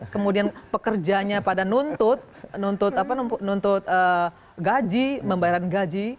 kemudian pekerjanya pada nuntut nuntut nuntut gaji membayar gaji